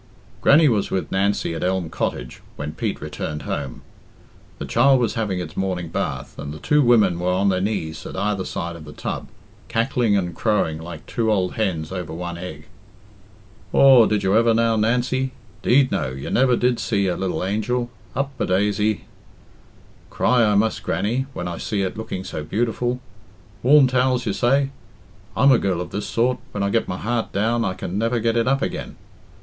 Grannie was with Nancy at Elm Cottage when Pete returned home. The child was having its morning bath, and the two women were on their knees at either side of the tub, cackling and crowing like two old hens over one egg. "Aw, did you ever, now, Nancy? 'Deed, no; you never did see such a lil angel. Up a daisy!" "Cry I must, Grannie, when I see it looking so beautiful. Warm towels, you say? I'm a girl of this sort when I get my heart down, I can never get it up again.